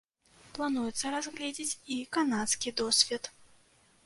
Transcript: Плануецца разгледзець і канадскі досвед.